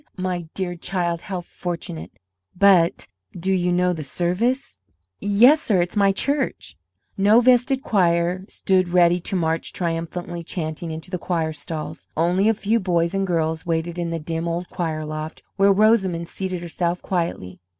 My dear child, how fortunate! But do you know the service?" "Yes, sir, it's my church." No vested choir stood ready to march triumphantly chanting into the choir stalls. Only a few boys and girls waited in the dim old choir loft, where Rosamond seated herself quietly.